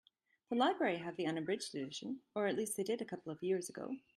The library have the unabridged edition, or at least they did a couple of years ago.